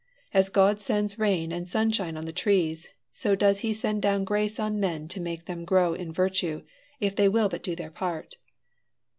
As God sends rain and sunshine on the trees, so does he send down grace on men to make them grow in virtue, if they will but do their part."